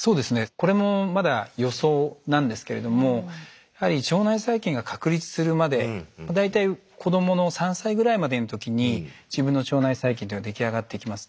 これもまだ予想なんですけれどもやはり腸内細菌が確立するまで大体子どもの３歳ぐらいまでの時に自分の腸内細菌というのが出来上がっていきます。